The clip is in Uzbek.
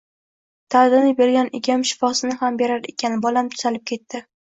Dardini bergan Egam shifosini ham berar ekan, bolam tuzalib ketdi